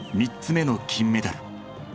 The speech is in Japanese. ３つ目の金メダル。